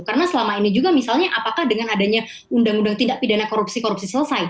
karena selama ini juga misalnya apakah dengan adanya undang undang tidak pidana korupsi korupsi selesai